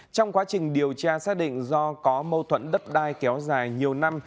trong quá trình điều tra xác định do có mâu thuẫn đất đai kéo dài nhiều năm